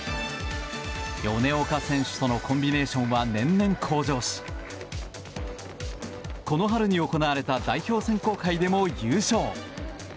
米岡選手とのコンビネーションは年々、向上しこの春に行われた代表選考会でも優勝。